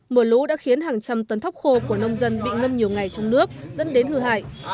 mưa lũ đã khiến hàng trăm tấn thóc khô của nông dân bị ngâm nhiều ngày trong nước dẫn đến hư hại